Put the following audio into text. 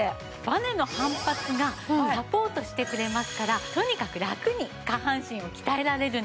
バネの反発がサポートしてくれますからとにかくラクに下半身を鍛えられるんです。